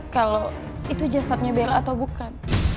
kalau itu jasadnya bella atau bukan